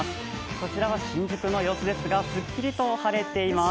こちらは新宿の様子ですが、すっきりと晴れています。